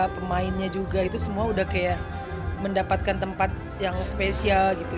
pemainnya juga itu semua udah kayak mendapatkan tempat yang spesial gitu